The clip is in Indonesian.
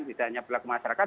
tidak hanya perilaku masyarakat